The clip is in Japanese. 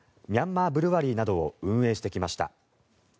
ミャンマー・ブルワリーなどを運営してきました。